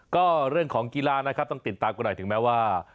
ก็เรื่องของกีฬานะครับต้องติดตามกันหน่อยถึงแม้ว่า